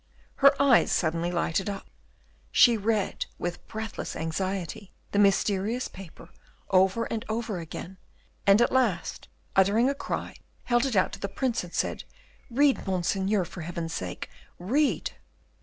Her eyes suddenly lighted up; she read, with breathless anxiety, the mysterious paper over and over again; and at last, uttering a cry, held it out to the Prince and said, "Read, Monseigneur, for Heaven's sake, read!"